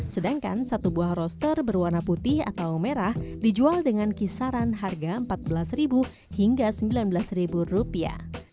sedangkan satu buah roster berwarna putih atau merah dijual dengan kisaran harga empat belas hingga sembilan belas rupiah